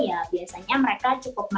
ya biasanya mereka cukup